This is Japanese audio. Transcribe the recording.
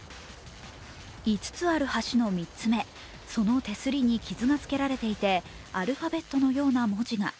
５つある橋の３つ目、その手すりに傷がつけられていて、アルファベットのような文字が。